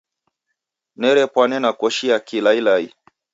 Nerepwane na koshi ya kilailai.